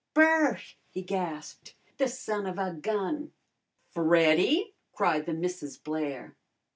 "Bert!" he gasped. "The son of a gun!" "Freddy!" cried the Misses Blair.